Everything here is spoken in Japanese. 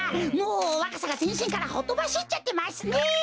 もうわかさがぜんしんからほとばしっちゃってますね。